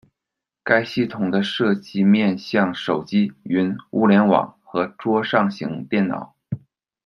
该系统的设计面向手机、云、物联网和桌上型电脑。